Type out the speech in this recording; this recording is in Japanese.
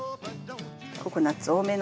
ココナッツ多めの。